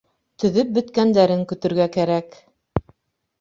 Төҙөп бөткәндәрен көтөргә кәрәк.